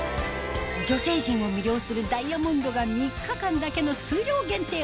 女性陣を魅了するダイヤモンドが３日間だけの数量限定